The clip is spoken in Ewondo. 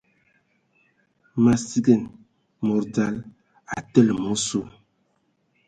Ma sigan mod dzal a tele ma osu.